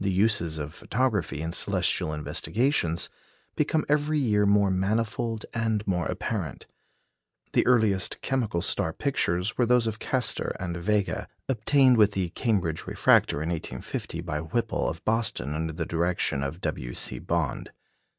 The uses of photography in celestial investigations become every year more manifold and more apparent. The earliest chemical star pictures were those of Castor and Vega, obtained with the Cambridge refractor in 1850 by Whipple of Boston under the direction of W. C. Bond.